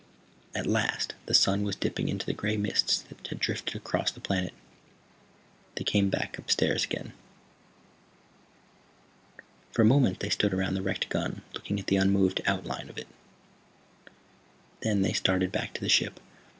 At last, as the sun was dipping into the gray mists that drifted across the planet they came back up the stairs again. For a moment they stood around the wrecked gun looking at the unmoving outline of it. Then they started back to the ship.